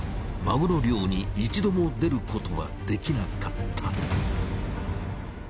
マグロ漁に一度も出ることはできなかった。